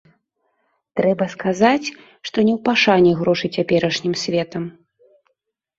Трэба сказаць, што не ў пашане грошы цяперашнім светам.